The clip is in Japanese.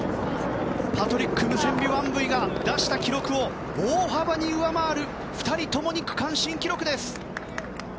パトリック・ムゼンゲ・ワンブィが出した記録を大幅に上回る２人ともに区間新記録です。